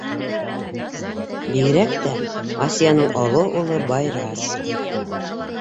Бигерәк тә Асияның оло улы - Байрас.